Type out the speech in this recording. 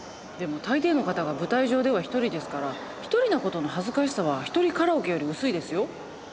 でも大抵の方が舞台上では１人ですから１人な事の恥ずかしさはひとりカラオケより薄いですよ。